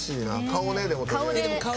顔ね、でもね。